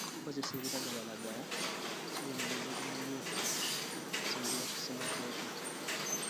Okukozesa ebiragalalagala kibonerezebwa nnyo okusinziira ku ssemateeka.